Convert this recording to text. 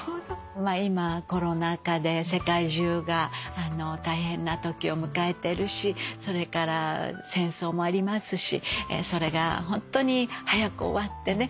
今コロナ禍で世界中が大変なときを迎えてるしそれから戦争もありますしそれがホントに早く終わってね